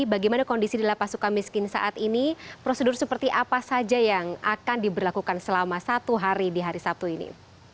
bagaimana kondisi di lapas suka miskin saat ini prosedur seperti apa saja yang akan diberlakukan selama satu hari di hari sabtu ini